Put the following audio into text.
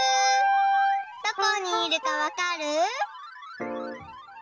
どこにいるかわかる？